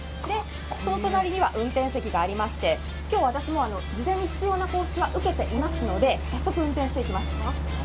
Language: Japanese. その隣には運転席がありまして今日私も事前に必要な講習は受けていますので早速、運転していきます。